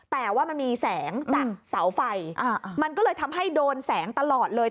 แต่ว่ามันมีแสงจากเสาไฟมันก็เลยทำให้โดนแสงตลอดเลย